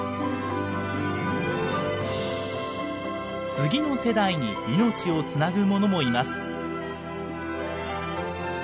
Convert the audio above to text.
次の世代に命をつなぐものもいます。